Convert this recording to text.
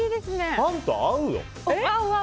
パンと合うよ。